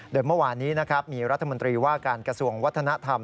โดยเมื่อวานนี้นะครับมีรัฐมนตรีว่าการกระทรวงวัฒนธรรม